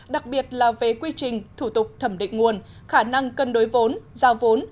đặc biệt là về quy trình thủ tục thẩm định nguồn khả năng cân đối vốn giao vốn